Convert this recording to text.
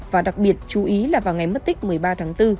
và đặc biệt chú ý là vào ngày mất tích một mươi ba tháng bốn